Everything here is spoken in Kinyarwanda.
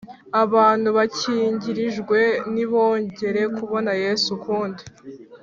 abantu bakingirijwe ntibongere kubona Yesu ukundi